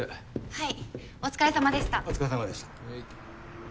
はい。